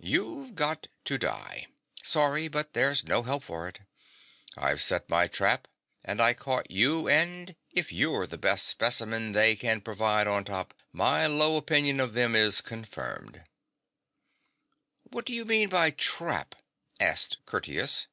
You've got to die. Sorry, but there's no help for it. Fve set my trap, and I caught you, and if you're the best specimen they can 94 THE BOTTOM OF THE GULF provide on top^ my low opinion of them is confirmed.' ' What do you mean by the "trap" ?' asked Curtius.